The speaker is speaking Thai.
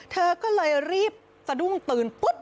เธอก็เลยรีบสะดุ้งตื่นปุ๊บ